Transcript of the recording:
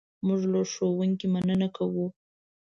موږ له ښوونکي مننه کوو.